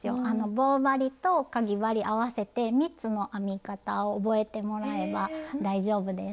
棒針とかぎ針合わせて３つの編み方を覚えてもらえば大丈夫です。